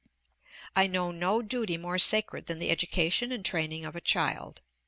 I know no duty more sacred than the education and training of a child.